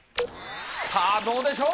さあどうでしょう。